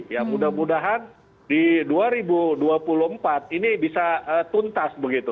ya mudah mudahan di dua ribu dua puluh empat ini bisa tuntas begitu